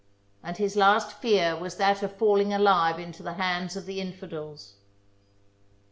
" and his last fear was that of falling alive into the hands of the infidels.